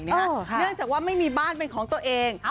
เนื่องจากว่าไม่มีบ้านเป็นของตัวเอง